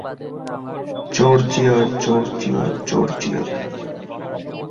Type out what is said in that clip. Georgia, Georgia, Georgia.